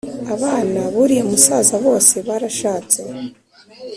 abana b’uriya musaza bose barashatse